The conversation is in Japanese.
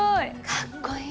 かっこいい。